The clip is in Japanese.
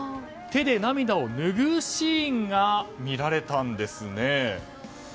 手で涙をぬぐうシーンが見られたんですね。